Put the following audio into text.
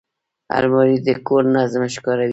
الماري د کور نظم ښکاروي